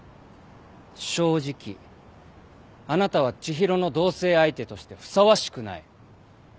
正直あなたは知博の同棲相手としてふさわしくない。